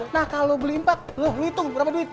nah kalau beli empat lu hitung berapa duit